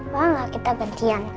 boleh nggak kita gantian